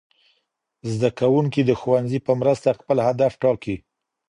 زدهکوونکي د ښوونځي په مرسته خپل هدف ټاکي.